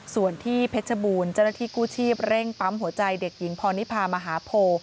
ส่วนที่เพชรบูรณ์เจ้าหน้าที่กู้ชีพเร่งปั๊มหัวใจเด็กหญิงพรนิพามหาโพ